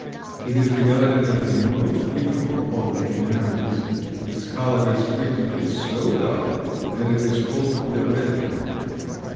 It is regarded as the most beautiful of all the canaries. Its color is frequently so dark that it is called the red canary.